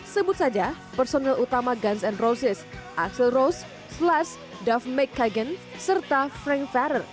sebut saja personel utama guns n' roses axl rose slash dove mckagan serta frank farrer